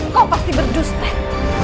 kau pasti berduster